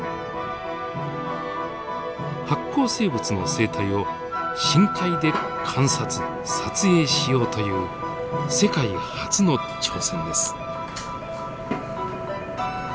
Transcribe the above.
発光生物の生態を深海で観察撮影しようという世界初の挑戦です。